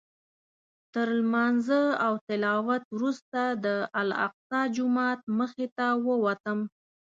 تر لمانځه او تلاوت وروسته د الاقصی جومات مخې ته ووتم.